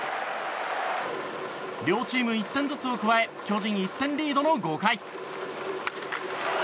両チーム１点ずつを加え巨人、１点リードの５回。